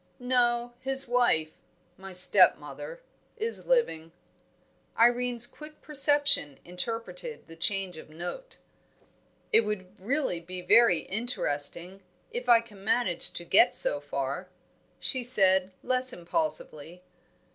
"No, his wife my stepmother is living." Irene's quick perception interpreted the change of note. "It would really be very interesting if I can manage to get so far," she said, less impulsively.